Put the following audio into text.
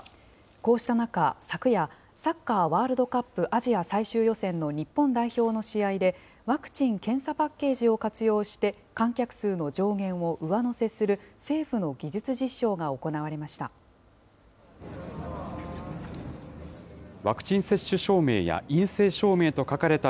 こうした中、昨夜、サッカーワールドカップアジア最終予選の日本代表の試合で、ワクチン・検査パッケージを活用して、観客数の上限を上乗せする政府の技術実証が行われました。